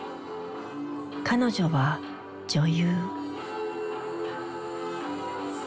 彼女は女優。